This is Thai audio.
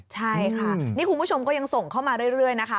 ใช่ค่ะนี่คุณผู้ชมก็ยังส่งเข้ามาเรื่อยนะคะ